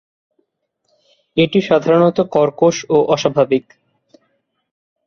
এটি সাধারণত কর্কশ ও অস্বাভাবিক।